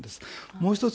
もう１つ